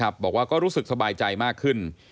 บอกว่าก็รู้สึกสบายใจมากขึ้น